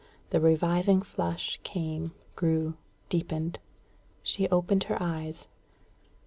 The reviving flush came, grew, deepened. She opened her eyes.